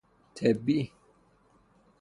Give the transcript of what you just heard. طبی